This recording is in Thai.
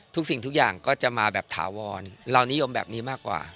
สิ่งทุกอย่างก็จะมาแบบถาวรเรานิยมแบบนี้มากกว่า